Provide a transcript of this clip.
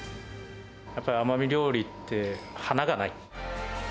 やっぱり奄美料理って、華がない。